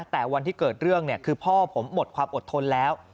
แต่วันที่เกิดเรื่องคือพ่อผมหมดความอดทนแล้ว